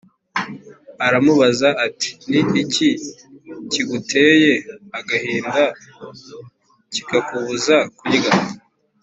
aramubaza ati “Ni iki kiguteye agahinda kikakubuza kurya?”